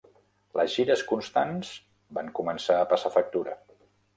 Les gires constants van començar a passar factura.